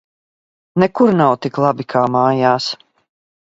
Nekur nav tik labi, kā mājās!